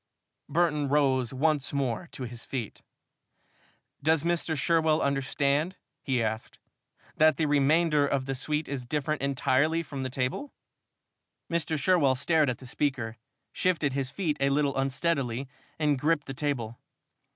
Burton rose once more to his feet. "Does Mr. Sherwell understand," he asked, "that the remainder of the suite is different entirely from the table?" Mr. Sherwell stared at the speaker, shifted his feet a little unsteadily and gripped the table.